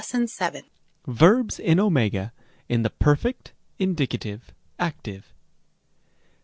V. §7. Verbs in @, in the perfect, indicative, active.